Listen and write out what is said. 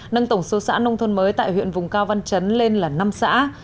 nâng tổng số xã nông thôn mới tại huyện vùng cao văn chấn lên là năm xã